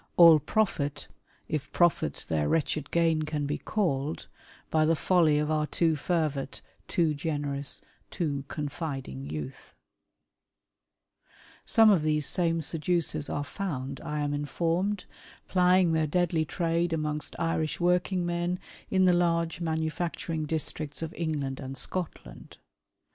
L 146 WAR OF ANTICHRIST WITH THE CHURCH. All profit — if profit their wretched gain can be called — by the folly of our too fervid, too generous, too confiding youth. Some of these same seducers are found, I am informed, plying their deadly trade amongst Irish working men in the large manufacturing districts of England and Scotland.